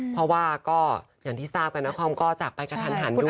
เพราะว่าก็อย่างที่ทราบกันนครก็จากไปกระทันหันด้วย